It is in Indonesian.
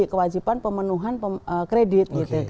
kewajiban pemenuhan kredit